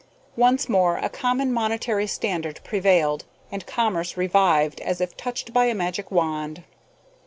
Once more a common monetary standard prevailed, and commerce revived as if touched by a magic wand.